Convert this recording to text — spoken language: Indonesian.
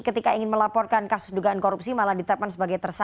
ketika ingin melaporkan kasus dugaan korupsi malah ditetapkan sebagai tersangka